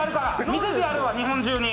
見せてやるぞ、日本中に。